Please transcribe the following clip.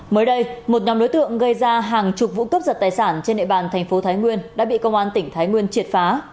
mới đây một nhóm đối tượng gây ra hàng chục vụ cướp giật tài sản trên địa bàn thành phố thái nguyên đã bị công an tỉnh thái nguyên triệt phá